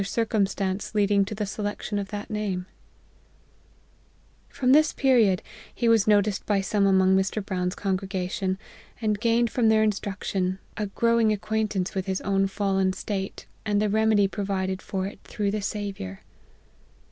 circumstance leading to the selection of that " From this period, he was noticed by some among Mr. Brown's congregation, and gained from their instruction a growing acquaintance with his S 206 APPENDIX. own fallen state, and the remedy provided for it through the Saviour.